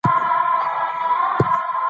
ازادي راډیو د تعلیم حالت ته رسېدلي پام کړی.